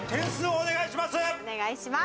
お願いします。